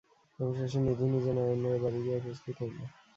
অবশেষে নিধি নিজে নরেন্দ্রের বাড়ি গিয়া উপস্থিত হইল।